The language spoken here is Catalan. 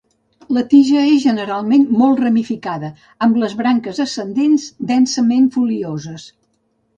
La tija és en general molt ramificada, amb les branques ascendents, densament folioses.